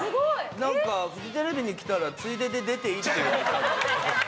何かフジテレビに来たらついでで出ていいって。